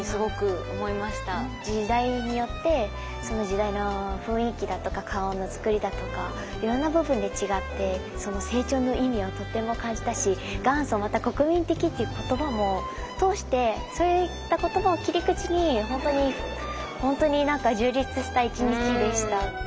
時代によってその時代の雰囲気だとか顔のつくりだとかいろんな部分で違って成長の意味をとても感じたし元祖また国民的っていう言葉も通してそういった言葉を切り口に本当に本当に何か充実した１日でした。